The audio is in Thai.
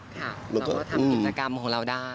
ค่ะเราก็ทำกิจกรรมของเราได้